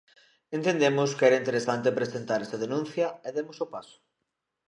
Entendemos que era interesante presentar esa denuncia e demos o paso.